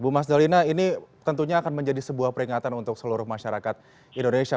bu mas jalina ini tentunya akan menjadi sebuah peringatan untuk seluruh masyarakat indonesia